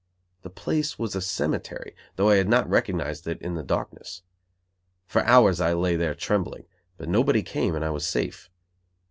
The place was a cemetery, though I had not recognized it in the darkness. For hours I lay there trembling, but nobody came and I was safe.